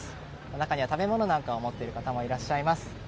中には食べ物なんかを持っている方もいらっしゃいます。